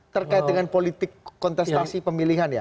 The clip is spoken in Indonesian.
terkait dengan politik kontestasi pemilihan ya